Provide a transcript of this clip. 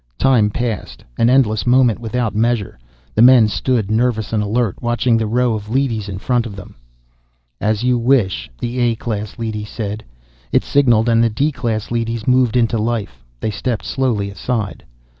Time passed, an endless moment, without measure. The men stood, nervous and alert, watching the row of leadys in front of them. "As you wish," the A class leady said. It signaled and the D class leadys moved into life. They stepped slowly aside.